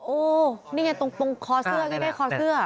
โอ้นี่ไงตรงคอเสื้อก็ได้คอเสื้อ